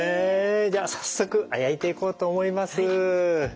じゃあ早速焼いていこうと思います。